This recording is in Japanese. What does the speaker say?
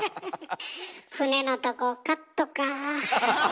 船のとこカットか。